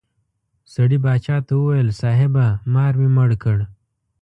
سړي باچا ته وویل صاحبه مار مې مړ کړ.